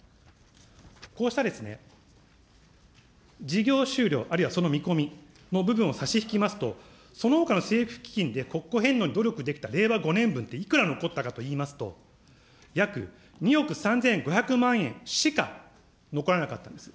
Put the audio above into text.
こうした事業終了、あるいはその見込みの部分を差し引きますと、そのほかの政府基金で国庫返納に努力できた令和５年分っていくら残ったかといいますと、約２億３５００万円しか残らなかったんです。